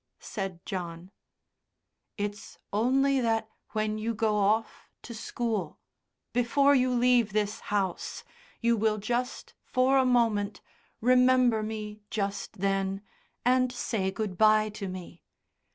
said John. "It's only that when you go off to school before you leave this house you will just, for a moment, remember me just then, and say good bye to me.